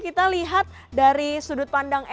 kita lihat dari sudut pandang